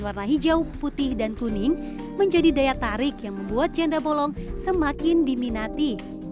warna hijau putih dan kuning menjadi daya tarik yang membuat janda bolong semakin diminati